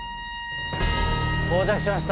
到着しました。